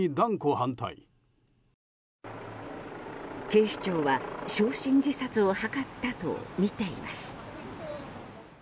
警視庁は焼身自殺を図ったとみています。